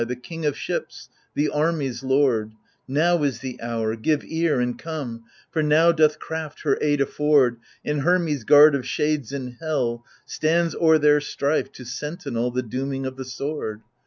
The king of ships, the army's lord ! Now is the hour — give ear and come, For now doth Craft her aid afford, And Hermes, guard of shades in hell, Stands o'er their strife, to sentinel The dooming of the sword.